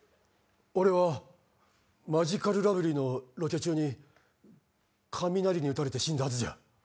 俺はマヂカルラブリーのロケ中に雷に打たれて死んだはずじゃ。